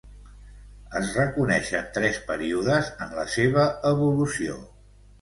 Es reconeixen tres períodes en la seva evolució.